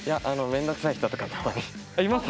面倒くさい人とかたまにいます。